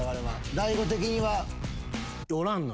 大悟的には。